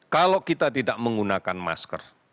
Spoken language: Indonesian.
kalau kita tidak menggunakan masker